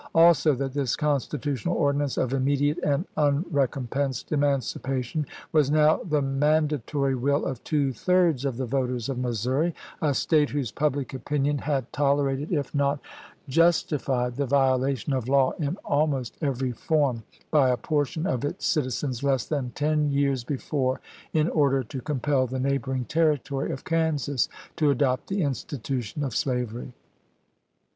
Also, that this constitutional ordinance of immediate and un recompensed emancipation was now the manda tory will of two thirds of the voters of Missouri, a State whose public opinion had tolerated, if not MISSOURI FEEE 485 Fet).20,] justified, the violation of law in almost every form, chap.xx. by a portion of its citizens, less than ten years be fore, in order to compel the neighboring Territory of Kansas to adopt the institution of slavery.